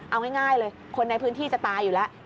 เอาง่ายเลยคนในพื้นที่จะตายอยู่แล้ว